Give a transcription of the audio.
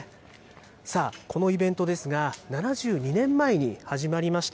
さあ、このイベントですが、７２年前に始まりました。